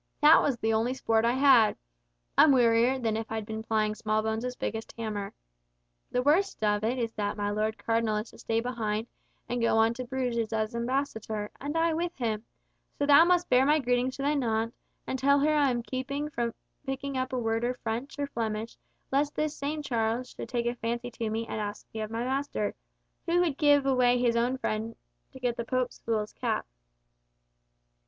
That was the only sport I had! I'm wearier than if I'd been plying Smallbones' biggest hammer. The worst of it is that my Lord Cardinal is to stay behind and go on to Bruges as ambassador, and I with him, so thou must bear my greetings to thy naunt, and tell her I'm keeping from picking up a word of French or Flemish lest this same Charles should take a fancy to me and ask me of my master, who would give away his own head to get the Pope's fool's cap."